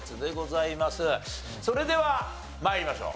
それでは参りましょう。